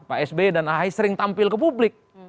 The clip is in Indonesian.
pak sbi dan ahi sering tampil ke publik